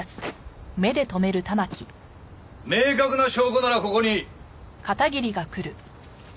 明確な証拠ならここに。